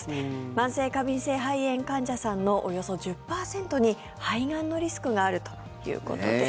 慢性過敏性肺炎患者さんのおよそ１０％に肺がんのリスクがあるということです。